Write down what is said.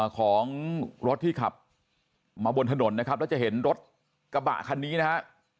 ของรถที่ขับมาบนถนนนะครับแล้วจะเห็นรถกระบะคันนี้นะฮะ